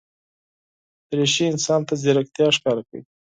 دریشي انسان ته ځیرکتیا ښکاره کوي.